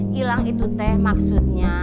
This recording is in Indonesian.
hilang itu teh maksudnya